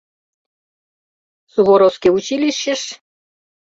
— Суворовский училищыш?